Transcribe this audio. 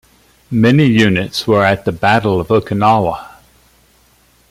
Many units were at the Battle of Okinawa.